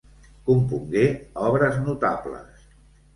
Compongué obres notables.